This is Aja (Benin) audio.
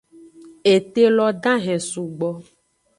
Ete lo dahen sugbo.